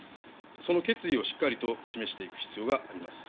その決意をしっかりと示していく必要があります。